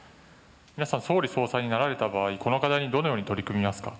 皆さん、総理総裁になられた場合、この課題にどのように取り組みますか。